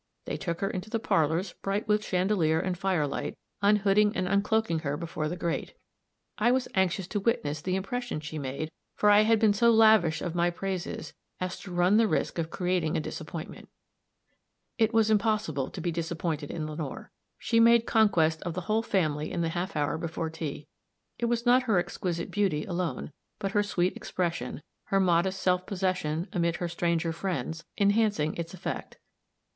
They took her into the parlors, bright with chandelier and firelight, unhooding and uncloaking her before the grate. I was anxious to witness the impression she made, for I had been so lavish of my praises, as to run the risk of creating a disappointment. It was impossible to be disappointed in Lenore. She made conquest of the whole family in the half hour before tea. It was not her exquisite beauty alone, but her sweet expression, her modest self possession amid her stranger friends, enhancing its effect.